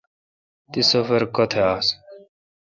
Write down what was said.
تی سفر کوتھ آس۔